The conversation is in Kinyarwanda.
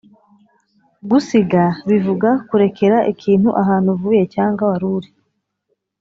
gusiga bivuga kurekera ikintu ahantu uvuye cyangwa wari uri.